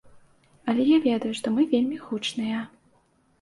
Але я ведаю, што мы вельмі гучныя.